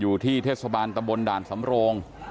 อยู่ที่เทศบรรณ์ตำบลด่านสำโลง